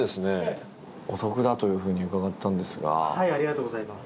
ありがとうございます。